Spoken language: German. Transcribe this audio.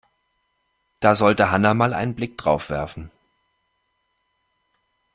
Da sollte Hanna mal einen Blick drauf werfen.